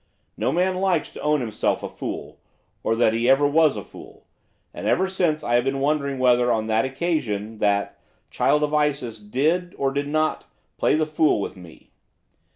No man likes to own himself a fool, or that he ever was a fool, and ever since I have been wondering whether, on that occasion, that 'child of Isis' did, or did not, play the fool with me.